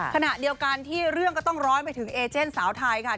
ขณะเดียวกันที่เรื่องก็ต้องร้อนไปถึงเอเจนสาวไทยค่ะ